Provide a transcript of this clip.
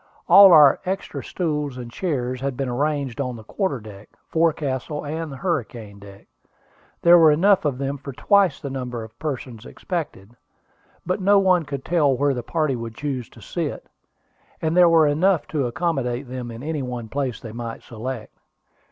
All our extra stools and chairs had been arranged on the quarter deck, forecastle, and hurricane deck. There were enough of them for twice the number of persons expected, but no one could tell where the party would choose to sit, and there were enough to accommodate them in any one place they might select.